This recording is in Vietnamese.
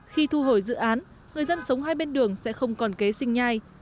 khi thu hồi dự án người dân sống hai bên đường sẽ không còn kế sinh nhai